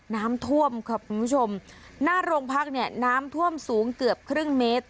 น้ำท่วมครับคุณผู้ชมหน้าโรงพักเนี่ยน้ำท่วมสูงเกือบครึ่งเมตร